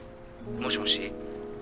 もしもし。